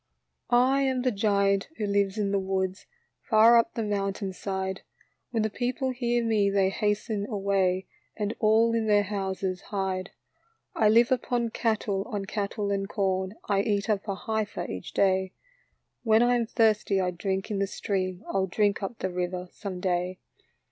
" I am the giant who lives in the woods, Far np the mountain side. When the people hear me they hasten away, And all in their houses hide. " I live upon cattle, on cattle and corn, I eat up a heifer each day. When I am thirsty I drink in the stream, I '11 drink up the river some day."